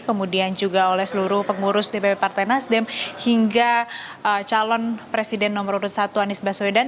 kemudian juga oleh seluruh pengurus dpp partai nasdem hingga calon presiden nomor urut satu anies baswedan